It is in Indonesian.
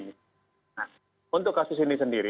nah untuk kasus ini sendiri